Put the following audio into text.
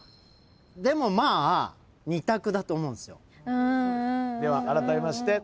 でもまあ２択だと思うんすよ。